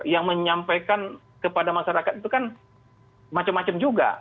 yang menyampaikan kepada masyarakat itu kan macam macam juga